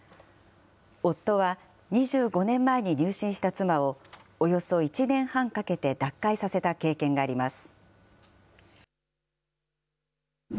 夫は２５年前に入信した妻をおよそ１年半かけて脱会させた経験があります。